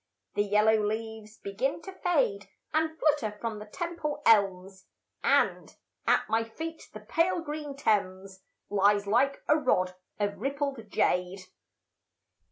The yellow leaves begin to fade And flutter from the Temple elms, And at my feet the pale green Thames Lies like a rod of rippled jade.